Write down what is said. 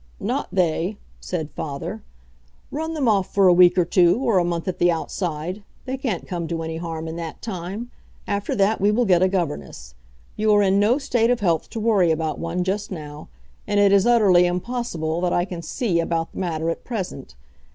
"Not they," said father. "Run them off for a week or two, or a month at the outside. They can't come to any harm in that time. After that we will get a governess. You are in no state of health to worry about one just now, and it is utterly impossible that I can see about the matter at present.